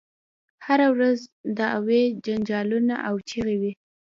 هره ورځ دعوې جنجالونه او چیغې وي.